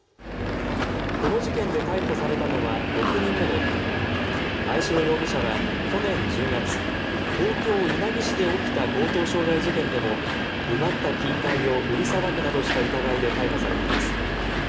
この事件で逮捕されたのは６人目で真栄城容疑者は去年１０月、東京稲城市で起きた強盗傷害事件でも奪った金塊を売りさばくなどした疑いで逮捕されています。